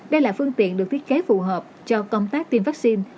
đây là phương tiện được thiết kế phù hợp cho công tác tiêm vaccine